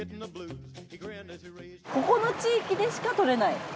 ここの地域でしか採れない？